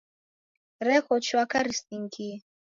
Reko chwaka risingie.